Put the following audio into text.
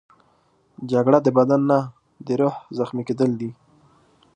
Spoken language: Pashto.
جګړه د بدن نه، د روح زخمي کېدل دي